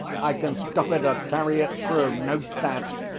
I can stop it or carry it through, note that.